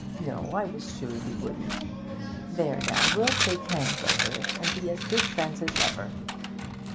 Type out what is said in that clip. No, I was sure you wouldn't. There, now, we'll shake 'ands over it, and be as good friends as ever.'